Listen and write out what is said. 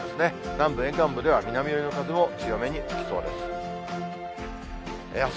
南部、沿岸部では南寄りの風も強めに吹きそうです。